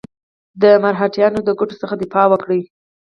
د مرهټیانو د ګټو څخه دفاع وکړي.